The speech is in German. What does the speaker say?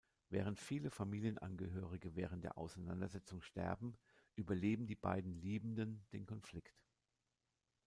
Während viele Familienangehörige während der Auseinandersetzung sterben, überleben die beiden Liebenden den Konflikt.